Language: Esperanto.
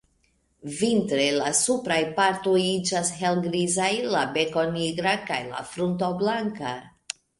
Vintre la supraj partoj iĝas helgrizaj, la beko nigra kaj la frunto blanka.